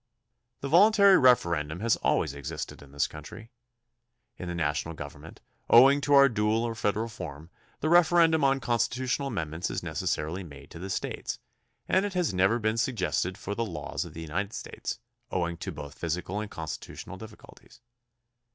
The voluntary referendum has always existed in this country. In the national government, owing to our dual or federal form, the referendum on constitutional amendments is necessarily made to the States, and it has never been suggested for the laws of the United States, owing to both physical and constitutional difficulties.